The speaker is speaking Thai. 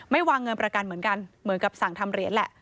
วางเงินประกันเหมือนกันเหมือนกับสั่งทำเหรียญแหละ